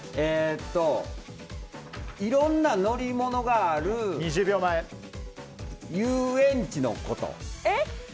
いろんな乗り物がある遊園地のこと。